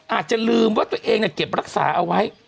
อาจจะลืมว่าตัวเองเก็บรักษาเอาไว้